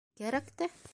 - Кәрәк тә...